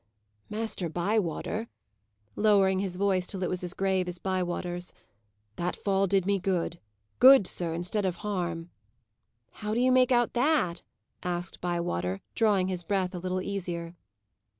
Master Bywater" lowering his voice till it was as grave as Bywater's "that fall did me good good, sir, instead of harm." "How do you make out that?" asked Bywater, drawing his breath a little easier.